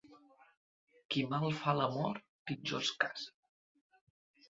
Qui mal fa l'amor pitjor es casa.